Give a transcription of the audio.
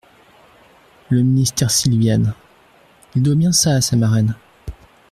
Le ministère Silviane … Il doit bien ça à sa marraine.